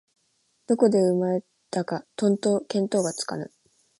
どこで生まれたかとんと見当がつかぬ